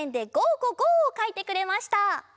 ゴ・ゴー！」をかいてくれました！